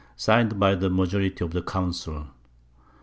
Signed by the Majority of the Council.